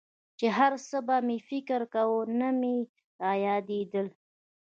چې هرڅه به مې فکر کاوه نه مې رايادېدل.